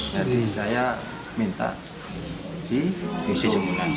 jadi saya minta diisi jumlah